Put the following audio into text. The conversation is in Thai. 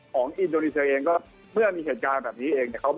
ของอินโดนีเซอร์ก็เมื่อมีเหตุการณ์แบบนี้เอง